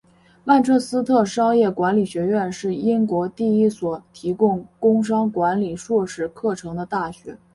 曼彻斯特商业管理学院是英国第一所提供工商管理硕士课程的大学。